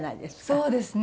そうですね。